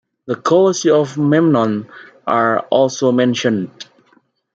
The Colossi of Memnon are also mentioned.